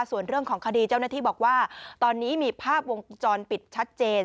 ส่วนเรื่องของคดีเจ้าหน้าที่บอกว่าตอนนี้มีภาพวงจรปิดชัดเจน